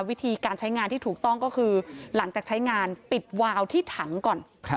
วิธีการใช้งานที่ถูกต้องก็คือหลังจากใช้งานปิดวาวที่ถังก่อน